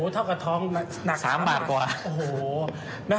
เท่ากับท้องหนัก๓บาทกว่าโอ้โห